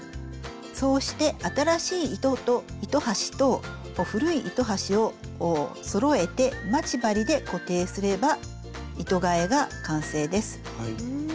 そうして新しい糸端と古い糸端をそろえて待ち針で固定すれば糸がえが完成です。